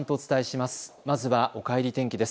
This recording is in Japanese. まずは、おかえり天気です。